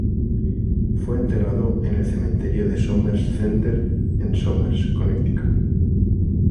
Fue enterrado en el cementerio de Somers Center en Somers, Connecticut.